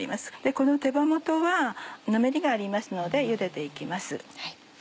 この手羽元はぬめりがありますのでゆでて行きます。